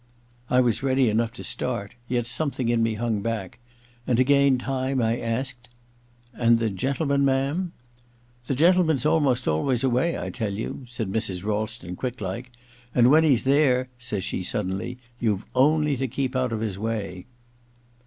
I was ready enough to start, yet softiething in me hung back ; and to gain time I asked, ' And the gentleman, ma'am T '* The gentleman's almost always away, I tell you,' said Mrs. Railton, quick like —* and when he's there,' says she suddenly, * you've only to keep out of his way.'